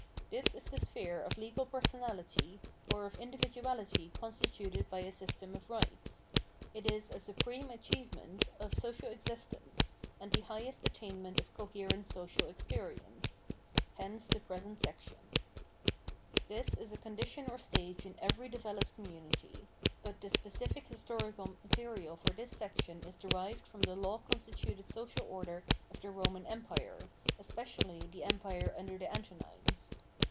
This is the sphere of legal personality, or of individuality consti tuted by a system of Rights. It is a supreme achievement of social existence, and the highest attainment of coherent social experience. Hence the j)resent section. This is a condition or stage in every developed community. But the specific historical material for this section is derived from the law consti tuted social order of the Roman Empire, especially the Empire under the Antonines.